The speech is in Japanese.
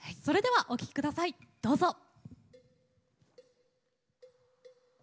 それではお聴き下さいどうぞ。